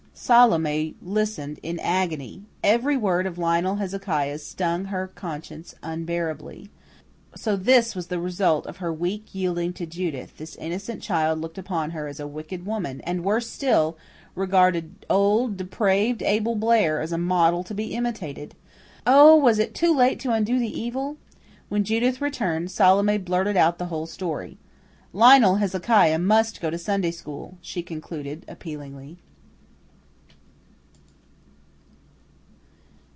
Salome listened in agony. Every word of Lionel Hezekiah's stung her conscience unbearably. So this was the result of her weak yielding to Judith; this innocent child looked upon her as a wicked woman, and, worse still, regarded old, depraved Abel Blair as a model to be imitated. Oh! was it too late to undo the evil? When Judith returned, Salome blurted out the whole story. "Lionel Hezekiah must go to Sunday school," she concluded appealingly.